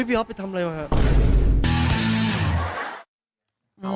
อุ๊ยพี่ฮอล์ฟไปทำอะไรวะครับ